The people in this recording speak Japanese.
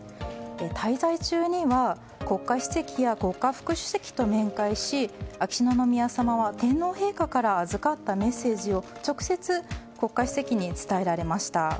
滞在中には国家主席や国家副主席と面会し秋篠宮さまは天皇陛下から預かったメッセージを直接、国家主席に伝えられました。